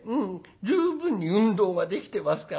十分に運動ができてますからね。